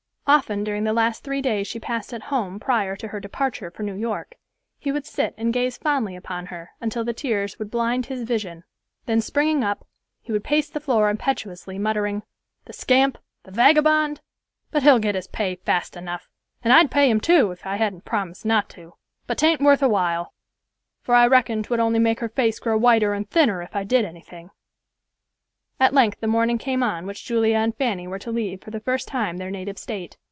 Often during the last three days she passed at home prior to her departure for New York, he would sit and gaze fondly upon her until the tears would blind his vision, then springing up, he would pace the floor, impetuously muttering, "The scamp—the vagabond—but he'll get his pay fast enough—and I'd pay him, too, if I hadn't promised not to. But 'tain't worth a while, for I reckon 'twould only make her face grow whiter and thinner if I did anything." At length the morning came on which Julia and Fanny were to leave for the first time their native state.